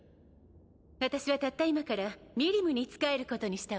私はたった今からミリムに仕えることにしたわ。